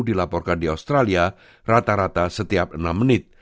dilaporkan di australia rata rata setiap enam menit